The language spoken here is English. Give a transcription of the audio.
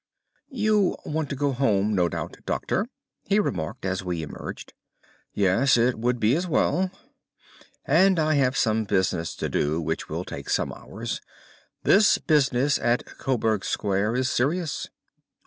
"You want to go home, no doubt, Doctor," he remarked as we emerged. "Yes, it would be as well." "And I have some business to do which will take some hours. This business at Coburg Square is serious."